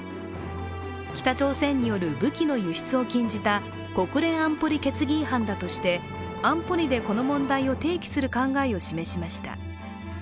北朝鮮による武器の輸出を禁じた国連安保理決議違反だとして安保理でこの問題を提起する考えを示しました。